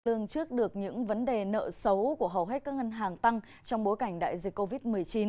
lương trước được những vấn đề nợ xấu của hầu hết các ngân hàng tăng trong bối cảnh đại dịch covid một mươi chín